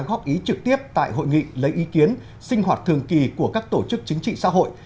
góp ý trực tiếp tại hội nghị lấy ý kiến sinh hoạt thường kỳ của các tổ chức chính trị xã hội